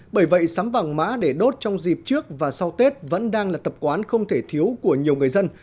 bởi vậy sắm vàng mã để đốt trong dịp trước và sau tết vẫn đang là tập quán không thể thiếu của nhiều người dân